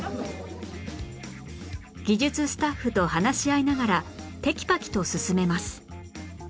技術スタッフと話し合いながらテキパキと進めます